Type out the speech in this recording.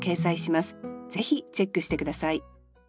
ぜひチェックして下さい。